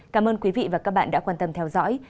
cảm ơn quý vị và các bạn đã quan tâm theo dõi